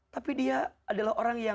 tapi dia adalah orang yang